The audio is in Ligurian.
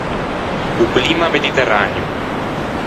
O climma mediterraneo.